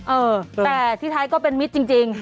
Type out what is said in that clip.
เออแต่ที่ท้ายก็เป็นมิตรจริง